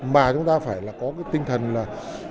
mà chúng ta phải là có cái tinh thần là